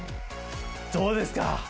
どうですか？